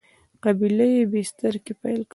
قبیله یي بستر کې پیل کړی.